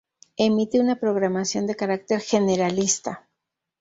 Emite una programación de carácter generalista.